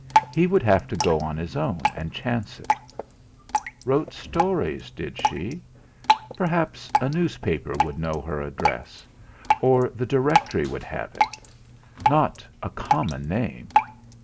He would have to go on his own and chance it. Wrote stories did she? Perhaps a newspaper would know her address; or the Directory would give it not a common name!